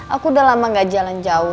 aku udah lama gak jalan jauh